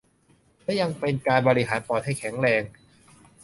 และยังเป็นการบริหารปอดให้แข็งแรง